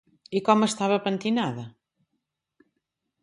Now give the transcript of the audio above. I com estava pentinada?